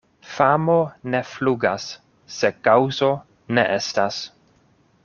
Famo ne flugas, se kaŭzo ne estas.